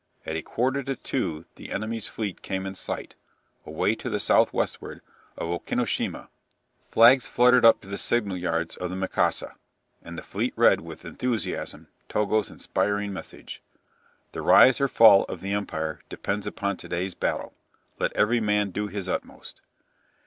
At a quarter to two the enemy's fleet came in sight away to the south westward of Okinoshima. Flags fluttered up to the signal yards of the "Mikasa," and the fleet read with enthusiasm Togo's inspiring message: "_The rise or fall of the Empire depends upon to day's battle. Let every man do his utmost.